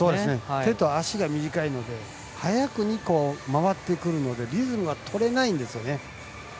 手と足が短いので早くに回ってくるのでリズムがとれないんですよね。